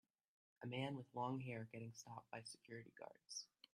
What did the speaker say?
A man with long hair getting stopped by security guards.